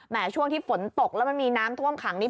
ช่วงที่ฝนตกแล้วมันมีน้ำท่วมขังนี้